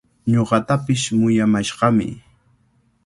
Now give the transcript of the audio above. Ñuqatapish muyamashqami.